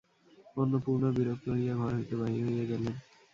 অন্নপূর্ণা বিরক্ত হইয়া ঘর হইতে বাহির হইয়া গেলেন।